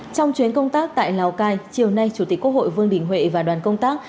trong chuyến công tác tại lào cai chiều nay chủ tịch quốc hội vương đình huệ và đoàn công tác